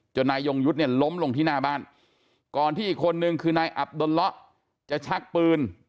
นายยงยุทธ์เนี่ยล้มลงที่หน้าบ้านก่อนที่อีกคนนึงคือนายอับดนเลาะจะชักปืน